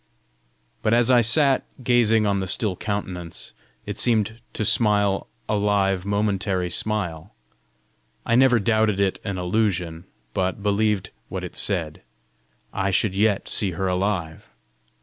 But as I sat gazing on the still countenance, it seemed to smile a live momentary smile. I never doubted it an illusion, yet believed what it said: I should yet see her alive!